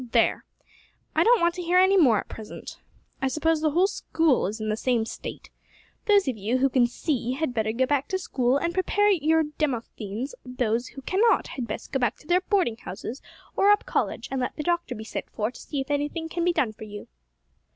There! I don't want to hear any more at present; I suppose the whole School is in the same state. Those of you who can see had better go back to School and prepare your Demosthenes; those who cannot had best go back to their boarding houses, or up College, and let the doctor be sent for to see if anything can be done for you."